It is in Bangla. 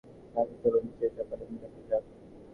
জাংলি, চলো নিচে গিয়ে চাপেল দেখা যাক।